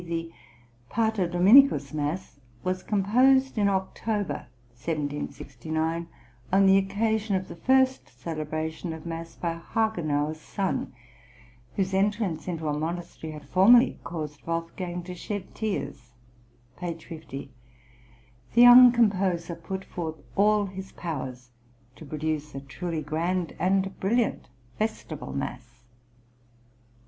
the "Pater Domini cus Mass," was composed in October, 1769, on the occasion of the first celebration of mass by Hagenauer's son, whose entrance into a monastery had formerly caused Wolfgang to shed tears (p. 50). The young composer put forth all his powers to produce a truly grand and brilliant festival mass.